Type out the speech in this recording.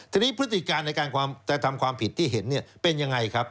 ทีนี้พฤติการในการกระทำความผิดที่เห็นเนี่ยเป็นยังไงครับ